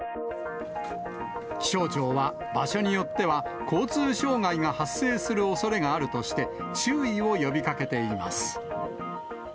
気象庁は、場所によっては交通障害が発生するおそれがあるとして、注意を呼びかけています。